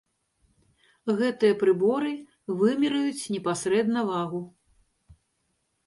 Гэтыя прыборы вымераюць непасрэдна вагу.